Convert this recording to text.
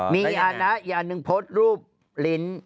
มีอีกอันนะอีกอันหนึ่งพจน์รูปลินทร์